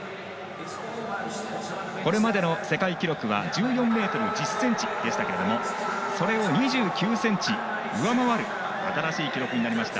これまでの世界記録は１４ｍ１０ｃｍでしたけどそれを２９ｃｍ上回る新しい記録になりました。